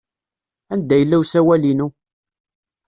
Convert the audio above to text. Anda yella usawal-inu?